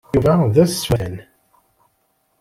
Yuba d asfel iwatan.